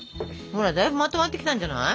ほらだいぶまとまってきたんじゃない？